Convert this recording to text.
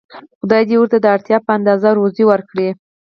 خدای ورته د اړتیا په اندازه روزي ورکړه.